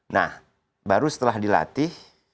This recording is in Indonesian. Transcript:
nah baru setelah dilatih